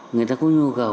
người ta có nhu cầu